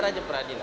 biar saja peradilan